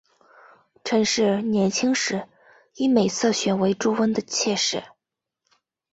陈氏年轻时以美色选为朱温的妾室。